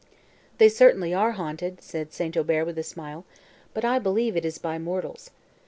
"They certainly are haunted," said St. Aubert with a smile, "but I believe it is by mortals."